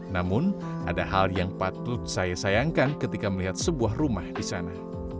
namun ada hal yang patut saya sayangkan ketika melihat sebuah rumah di sana